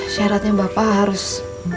syaratnya bapak harus